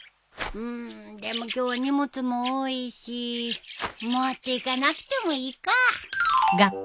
んでも今日荷物も多いし持っていかなくてもいいか。